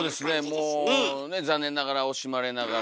もうねっ残念ながら惜しまれながら。